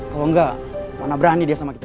kalau enggak mana berani dia sama kita